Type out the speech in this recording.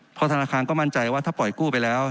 เพราะธนาคารก็มั่นใจว่าถ้าปล่อยกู้ไปแล้ว